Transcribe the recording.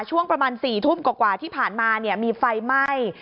ช่วงประมาณ๔ทุ่มกว่าที่ผ่านมามีไฟไหม้